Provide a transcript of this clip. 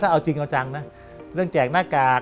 เอาจริงเอาจังนะเรื่องแจกหน้ากาก